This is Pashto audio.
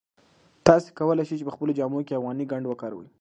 تاسي کولای شئ په خپلو جامو کې افغاني ګنډ وکاروئ.